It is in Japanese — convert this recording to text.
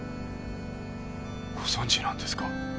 ご存じなんですか？